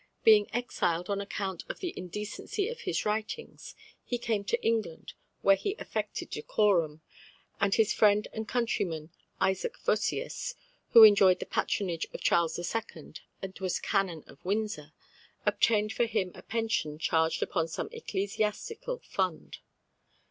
Being exiled on account of the indecency of his writings, he came to England, where he affected decorum, and his friend and countryman Isaac Vossius, who enjoyed the patronage of Charles II. and was Canon of Windsor, obtained for him a pension charged upon some ecclesiastical fund.